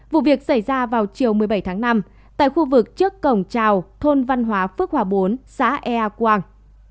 vụ việc xảy ra vào chiều một mươi bảy tháng năm tại khu vực trước cổng trào thôn văn hóa phước hòa bốn xã ea quang